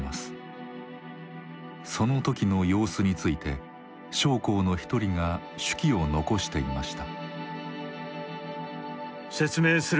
その時の様子について将校の一人が手記を残していました。